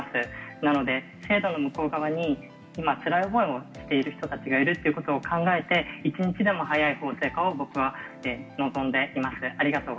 なので、制度の向こう側に今、つらい思いをしている人たちがいるっていうことを考えて、一日でも早い法制化を僕は望んでいます。